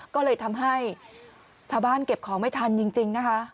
ก็เลยทำให้ชาวบ้านเก็บของไม่ทันจริงนะคะ